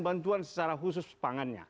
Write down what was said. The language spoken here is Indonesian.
bantuan secara khusus pangannya